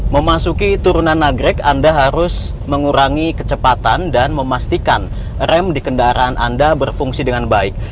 memasuki turunan nagrek anda harus mengurangi kecepatan dan memastikan rem di kendaraan anda berfungsi dengan baik